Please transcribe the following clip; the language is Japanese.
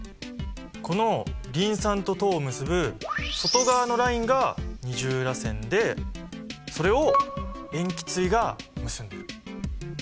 このリン酸と糖を結ぶ外側のラインが二重らせんでそれを塩基対が結んでる。